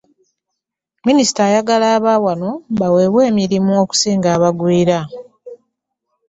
Minisita ayagala abaawano baweebwa emirimu okusinga abagwiira.